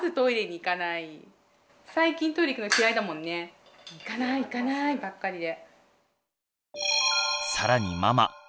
「行かない行かない」ばっかりで。